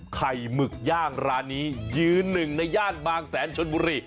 หมึกย่างร้านนี้ยืนหนึ่งในย่านบางแสนชนบุรี